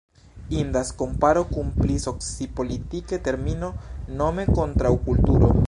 Indas komparo kun pli soci-politike termino, nome Kontraŭkulturo.